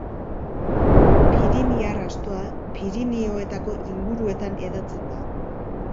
Piriniar astoa Pirinioetako inguruetan hedatzen da.